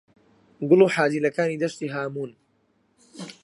«گوڵ و حاجیلەکانی دەشتی هاموون»